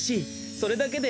それだけで。